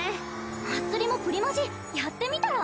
まつりもプリマジやってみたら？